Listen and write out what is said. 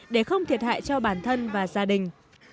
để không thiệt hại cho bản thân và gia đình